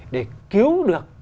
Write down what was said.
để cứu được